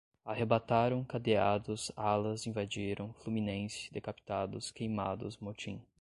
arrebentaram, cadeados, alas, invadiram, fluminense, decapitados, queimados, motim